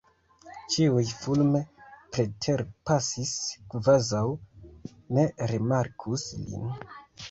Ĉiuj fulme preterpasis, kvazaŭ ne rimarkus lin.